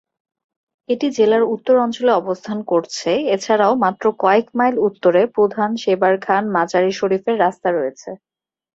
এটি জেলার উত্তর অঞ্চলে অবস্থান করছে, এছাড়াও মাত্র কয়েক মাইল উত্তরে প্রধান শেবারঘান-মাজারী শরীফের রাস্তা রয়েছে।